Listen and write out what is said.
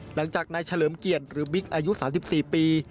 หลังจากนายเฉลิมเกียรติหรือบิ๊กอายุ๓๔ปี